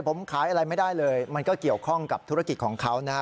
ผมขายอะไรไม่ได้เลยมันก็เกี่ยวข้องกับธุรกิจของเขานะฮะ